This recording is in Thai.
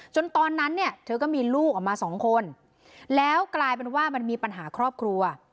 ตอนนั้นเนี่ยเธอก็มีลูกออกมาสองคนแล้วกลายเป็นว่ามันมีปัญหาครอบครัว